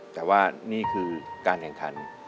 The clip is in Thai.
แต่ว่านี่คือการแข่งขัน